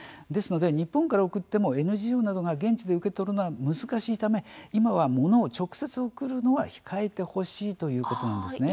ですので日本から送ってもＮＧＯなどが現地で受け取るのは難しいため今は物を直接送るのは控えてほしいということなんです。